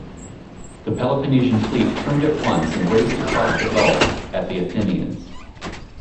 The Peloponnesian fleet turned at once and raced across the gulf at the Athenians.